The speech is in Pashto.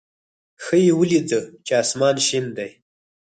ښه یې ولېده چې اسمان شین دی.